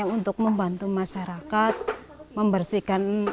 untuk membantu masyarakat membersihkan